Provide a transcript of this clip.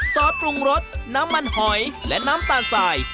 ซอสปรุงรสน้ำมันหอยและน้ำตาลสาย